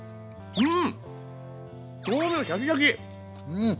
うん！